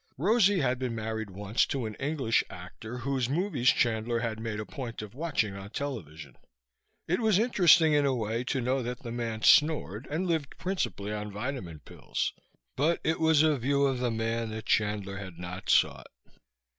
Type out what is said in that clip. Rosie had been married once to an English actor whose movies Chandler had made a point of watching on television. It was interesting, in a way, to know that the man snored and lived principally on vitamin pills. But it was a view of the man that Chandler had not sought.